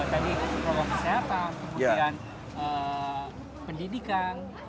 dari program kesehatan kemudian pendidikan